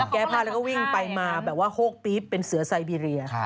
แก้ผ้าแล้วก็วิ่งไปมาแบบว่าโฮกปี๊บเป็นเสือไซบีเรีย